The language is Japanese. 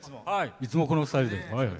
いつも、このスタイルです。